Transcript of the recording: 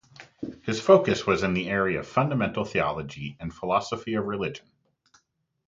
His focus was in the area of fundamental theology and philosophy of religion.